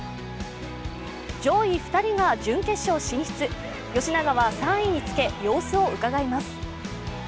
乗２人が準決勝進出、吉永は３位につけ様子をうかがいます。